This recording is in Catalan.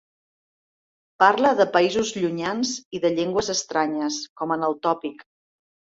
Parla de països llunyans i de llengües estranyes, com en el tòpic.